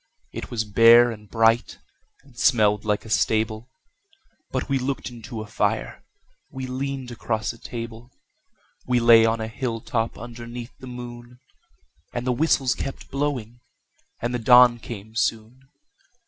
It was bare and bright, and smelled like a stable But we looked into a fire, we leaned across a table, We lay on a hilltop underneath the moon; And the whistles kept blowing, and the dawn came soon.